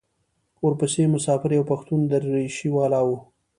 ورپسې مسافر یو پښتون درېشي والا و.